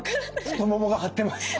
太ももが張ってます。